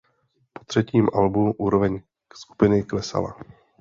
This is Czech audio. Po třetím albu úroveň skupiny klesala.